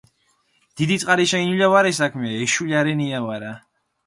დიდი წყარიშა ინულა ვარე საქმე ეშულა რენია ვარა